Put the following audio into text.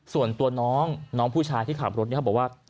ส่วนตัวน้องน้องผู้ชายที่ขับรถเนี่ยเขาบอกว่า